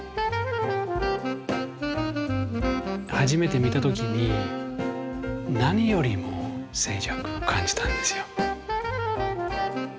初めて見た時に何よりも静寂を感じたんですよ。